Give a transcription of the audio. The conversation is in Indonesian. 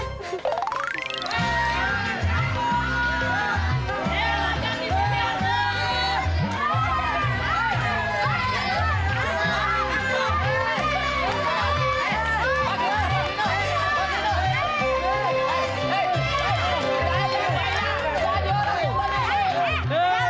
hei elah elah elah